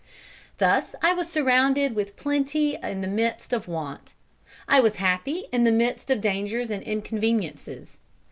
Thus I was surrounded with plenty in the midst of want. I was happy in the midst of dangers and inconveniences.